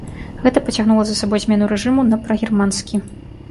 Гэта пацягнула за сабой змену рэжыму на прагерманскі.